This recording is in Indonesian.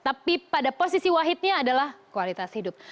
tapi pada posisi wahidnya adalah kualitas hidup